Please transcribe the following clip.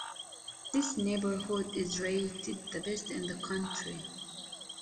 This neighbourhood is rated the best in the country.